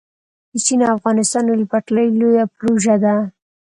د چین - افغانستان ریل پټلۍ لویه پروژه ده